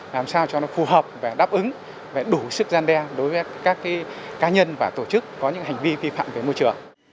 làm sao cho nó phù hợp với các hệ thống xử lý